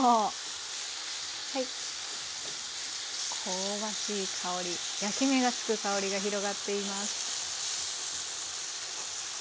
香ばしい香り焼き目が付く香りが広がっています。